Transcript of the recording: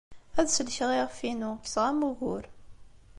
Ad sellkeɣ iɣef-inu. Kkseɣ-am ugur.